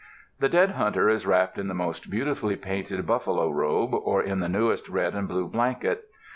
The dead hunter is wrapped in the most beautifully painted buffalo robe, or in the newest red and blue blanket.